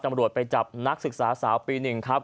ตำรวจไปจับนักศึกษาสาวปี๑ครับ